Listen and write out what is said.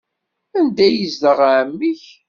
Anda ay yezdeɣ ɛemmi-k?